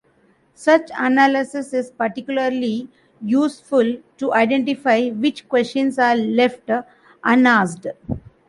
Such analysis is particularly useful to identify which questions are left unasked.